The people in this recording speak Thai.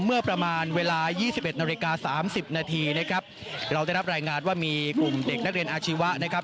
เมื่อประมาณเวลายี่สิบเอ็ดนาฬิกาสามสิบนาทีนะครับเราได้รับรายงานว่ามีกลุ่มเด็กนักเรียนอาชีวะนะครับ